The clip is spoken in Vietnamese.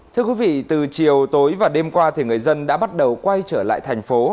thưa quý vị từ chiều tối và đêm qua người dân đã bắt đầu quay trở lại thành phố